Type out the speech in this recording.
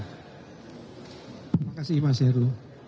terima kasih mas heru